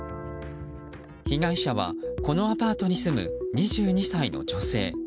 被害者は、このアパートに住む２２歳の女性。